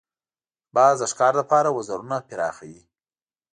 باز د ښکار لپاره وزرونه پراخوي